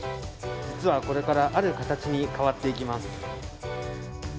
実はこれからある形に変わっていきます。